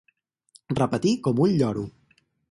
Repetir com un lloro.